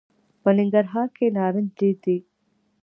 په ننګرهار کي نارنج ډېر دي .